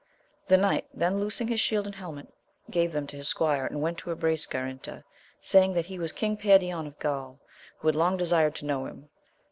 The knight then loosing his shield and helmet gave them to his squire, and went to embrace Garinter, saying that he was King Perion of Gaul who had long desired to know him.